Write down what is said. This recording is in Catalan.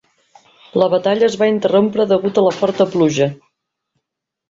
La batalla es va interrompre degut a la forta pluja.